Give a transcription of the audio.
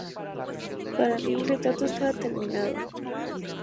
Para mí, el retrato estaba terminado.